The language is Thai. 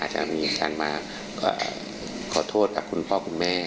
จะมีการมาขอโทษกับคุณพ่อคุณแม่